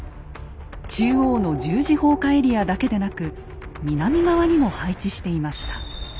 中央の十字砲火エリアだけでなく南側にも配置していました。